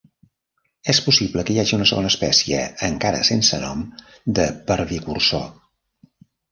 És possible que hi hagi una segona espècie, encara sense nom, de "Parvicursor".